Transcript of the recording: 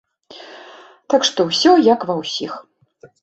Так што ўсё як ва ўсіх.